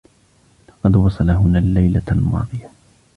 لقد وصل هُنا الليلة الماضية.